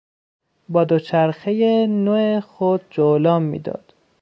با دوچرخهی نو خود جولان میداد.